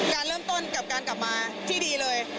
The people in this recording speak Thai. การเริ่มต้นกับการกลับมาที่ดีเลย